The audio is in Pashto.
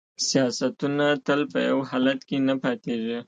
سیاستونه تل په یو حالت کې نه پاتیږي